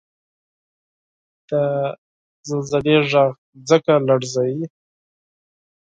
• د زلزلې ږغ ځمکه لړزوي.